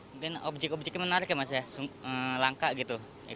mungkin objek objeknya menarik ya mas ya langka gitu